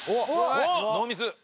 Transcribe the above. ノーミス！